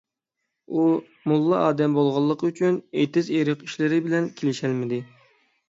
ئۇ موللا ئادەم بولغانلىقى ئۈچۈن، ئېتىز - ئېرىق ئىشلىرى بىلەن كېلىشەلمىدى.